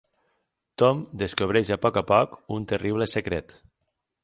Tom descobreix a poc a poc un terrible secret.